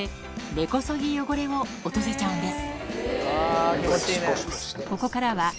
根こそぎ汚れを落とせちゃうんです